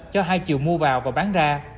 cho hai triệu mua vào và bán ra